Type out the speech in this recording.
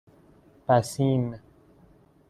بَسیم